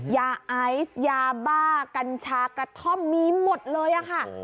ยาไอซ์ยาบ้ากัญชากระท่อมมีหมดเลยค่ะ